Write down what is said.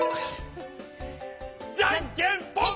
じゃんけんぽん！